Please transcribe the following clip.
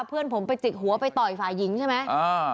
เพื่อนผมไปจิกหัวไปต่อยฝ่ายหญิงใช่ไหม